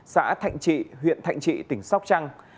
xã thạnh trị huyện thạnh trị tỉnh sóc trăng